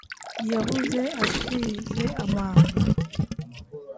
yavuze ashize amanga